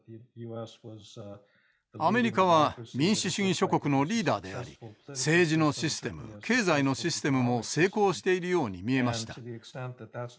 アメリカは民主主義諸国のリーダーであり政治のシステム経済のシステムも成功しているように見えました。